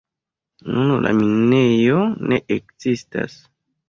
Nun la minejo ne ekzistas.